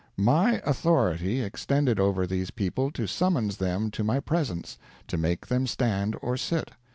"My authority extended over these people to summons them to my presence, to make them stand or sit.